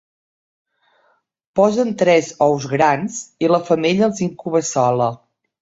Posen tres ous grans, i la femella els incuba sola.